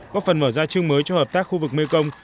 góp phần mở ra chương mới cho hợp tác khu vực mekong